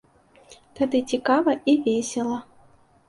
Тады цікава і весела.